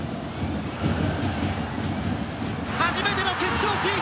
初めての決勝進出！